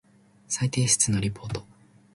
再提出のリポート